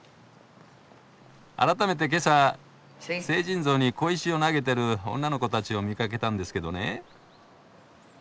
改めて今朝聖人像に小石を投げてる女の子たちを見かけたんですけどね。